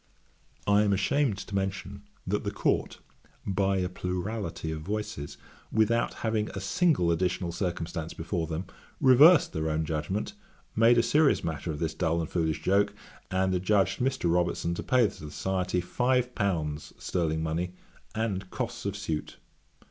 I am ashamed to mention, that the Court, by a plurality of voices, without having a single additional circumstance before them, reversed their own judgement, made a serious matter of this dull and foolish joke, and adjudged Mr. Robertson to pay to the Society five pounds (sterling money) and costs of suit.